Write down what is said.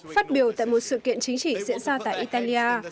phát biểu tại một sự kiện chính trị diễn ra tại italia